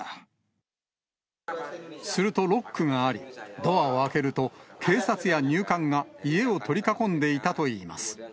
するとノックがあり、ドアを開けると、警察や入管が家を取り囲んでいたといいます。